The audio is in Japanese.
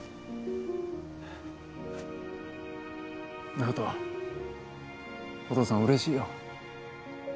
直人お父さんうれしいよ。